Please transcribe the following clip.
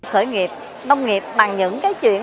khởi nghiệp nông nghiệp bằng những cái chuyện